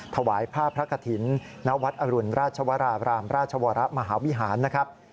ถวายผ้าพระกฐินณวัดอรุณราชวราบรามราชวรมหาวิหารนะครับ